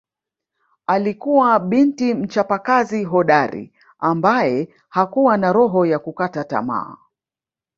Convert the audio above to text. Alikuwa binti mchapakazi hodari ambae hakuwa na roho ya kukata tamaa